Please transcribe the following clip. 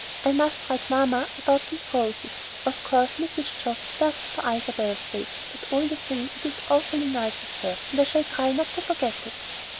I must write mamma about these roses. Of course Mrs. Geoff does it for Isabel's sake; but all the same it is awfully nice of her, and I shall try not to forget it."